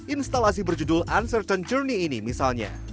instalasi berjudul uncertain journey ini misalnya